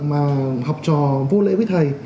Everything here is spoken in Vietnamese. mà học trò vô lễ với thầy